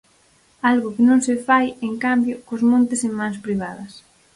Algo que non se fai, en cambio, cos montes en mans privadas.